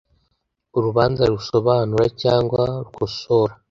Urubanza rusobanura cyangwa rukosora